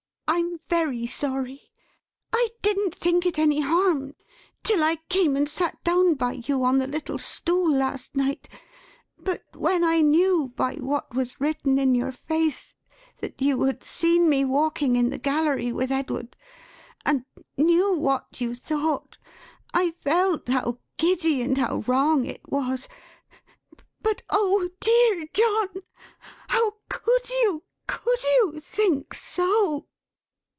I'm very sorry. I didn't think it any harm, till I came and sat down by you on the little stool last night; but when I knew by what was written in your face, that you had seen me walking in the gallery with Edward; and knew what you thought; I felt how giddy and how wrong it was. But oh, dear John, how could you, could you, think so!"